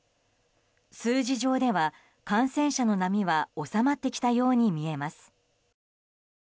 数字上では感染者の波は収まってきたように見えます。